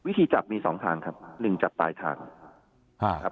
ทีจับมีสองทางครับหนึ่งจับปลายทางครับ